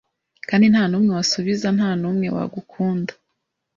Kandi ntanumwe wasubiza ntanumwe wagukunda